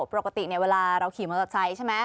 ปกติเวลาเราขี่มอเตอร์ไซค์ใช่ไหม